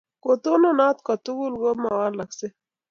Ko tononot kotugul ok mowolaksei